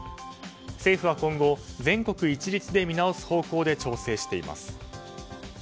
政府は今後、全国一律で見直す方向で調整しています。